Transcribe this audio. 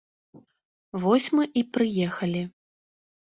Вось мы і прыехалі!